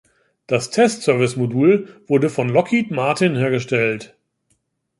Das Test-Servicemodul wurde von Lockheed Martin hergestellt.